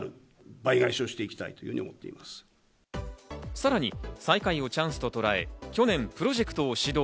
さらに最下位をチャンスととらえ、去年プロジェクトを始動。